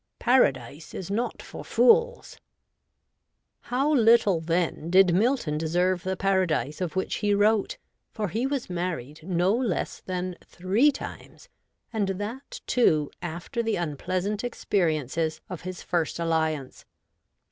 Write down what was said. Paradise is not for fools !' How little, then, did Milton deserve the Paradise of which he wrote, for he was married no less than three times, and that, too, after the unpleasant ex periences of his first alliance.